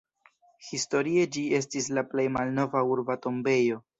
Historie ĝi estis la plej malnova urba tombejo.